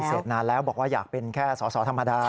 เสร็จนานแล้วบอกว่าอยากเป็นแค่สอสอธรรมดา